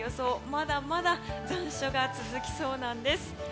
まだまだ残暑が続きそうなんです。